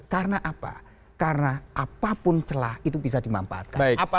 karena apa karena apapun celah itu bisa dimanfaatkan